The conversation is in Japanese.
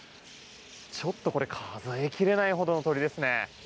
ちょっとこれ数え切れないほどの鳥ですね。